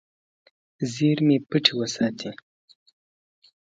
زیرمې پټې وساتې.